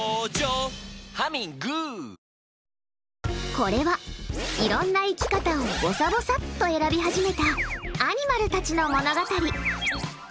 これはいろんな生き方をぼさぼさっと選び始めたアニマルたちの物語。